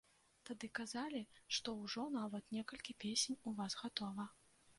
Тады казалі, што ўжо, нават, некалькі песень у вас гатова.